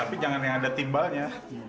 tapi jangan yang ada timbalnya